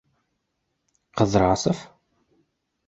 Ҡыҙрасов?